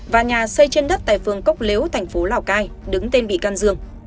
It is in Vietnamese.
và nhà xây trên đất tại phường cốc lếu tp lào cai đứng tên bị can dương